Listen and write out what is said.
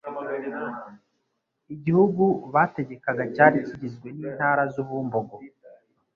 Igihugu bategekaga cyari kigizwe n'intara z'u Bumbogo